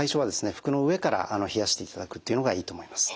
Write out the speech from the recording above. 服の上から冷やしていただくっていうのがいいと思います。